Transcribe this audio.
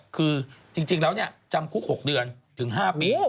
คือจริงแล้วจำคุก๖เดือนถึง๕ปี